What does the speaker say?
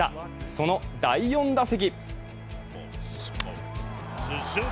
その第４打席。